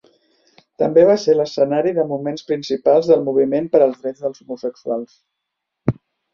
També va ser l'escenari de moments principals del Moviment per als drets dels homosexuals.